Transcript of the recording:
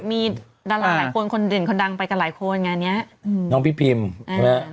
มีดาราหลายคนคนเด่นคนดังไปกันหลายคนงานเนี้ยอืมน้องพี่พิมใช่ไหม